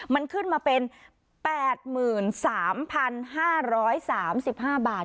มันขึ้นมาเป็น๘๓๕๓๕บาท